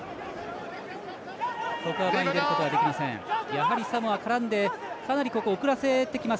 やはり、サモア絡んでかなり遅らせてきます